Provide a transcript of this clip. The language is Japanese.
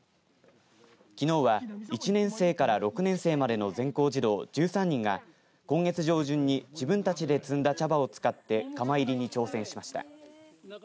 きのうは１年生から６年生までの全校児童１３人が今月上旬に自分たちで摘んだ茶葉を使って釜いりに挑戦しました。